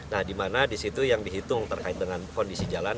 nah di mana di situ yang dihitung terkait dengan kondisi jalan